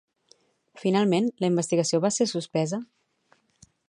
Finalment, la investigació va ser suspesa?